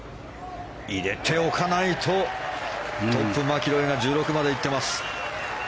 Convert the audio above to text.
入れておかないとトップ、マキロイが１６までいってます。